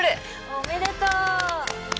おめでとう！